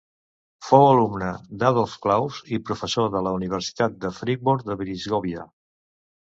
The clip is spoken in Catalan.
Fou alumne d'Adolf Claus i professor de la Universitat de Friburg de Brisgòvia.